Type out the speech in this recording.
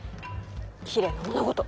きれいなおなごと。